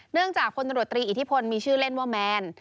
จากพลตำรวจตรีอิทธิพลมีชื่อเล่นว่าแมน